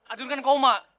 adun kan koma